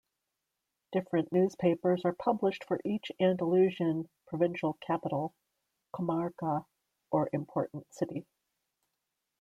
Different newspapers are published for each Andalusian provincial capital, comarca, or important city.